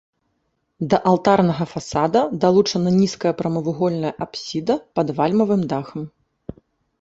Да алтарнага фасада далучана нізкая прамавугольная апсіда пад вальмавым дахам.